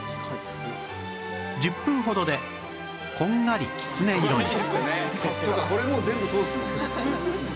１０分ほどでこんがりきつね色に